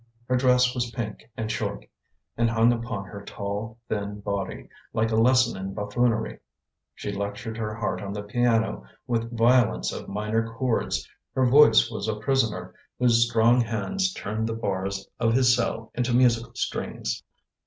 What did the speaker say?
Her dress was pink and short, And hung upon her tall, thin body, Like a lesson in buffoonery. She lectured her heart on the piano With violence of minor chords. Her voice was a prisoner Whose strong hands turned the bars of his cell Into musical strings.